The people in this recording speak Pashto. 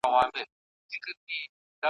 ننګ پر وکه بیده قامه ستا په ننګ زندان ته تللی `